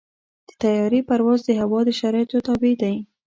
د طیارې پرواز د هوا د شرایطو تابع دی.